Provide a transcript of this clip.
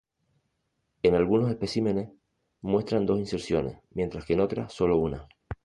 En algunos especímenes muestran dos inserciones, mientras que en otras, solo una.